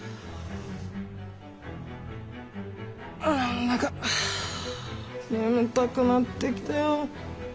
何だか眠たくなってきたよ。